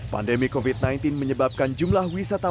pandemi covid sembilan belas menyebabkan jumlah wisata masjid ini berkurang